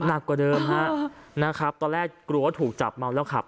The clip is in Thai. หนักกว่าเดิมฮะนะครับตอนแรกกลัวว่าถูกจับเมาแล้วขับ